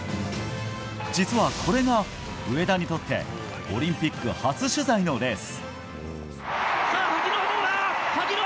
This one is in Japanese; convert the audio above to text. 実は、これが上田にとってオリンピック初取材のレース。